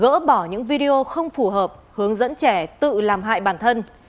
gỡ bỏ những video không phù hợp hướng dẫn trẻ tự làm hại bản thân